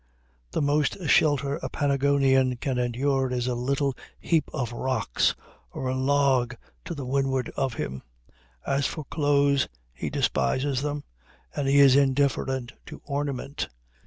The most shelter a Patagonian can endure is a little heap of rocks or a log to the windward of him; as for clothes, he despises them, and he is indifferent to ornament.